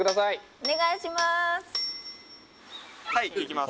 お願いします